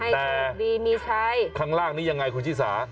แต่ข้างล่างนี้ยังไงคุณชี่สา